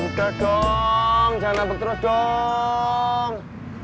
udah dong jangan nabok terus dong